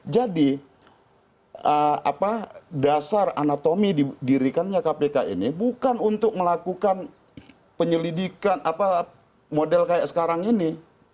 jadi dasar anatomi dirikannya kpk ini bukan untuk melakukan penyelidikan model kayak sekarang ini